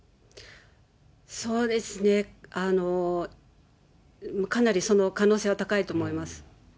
そうですね、かなりその可能性は高いと思います。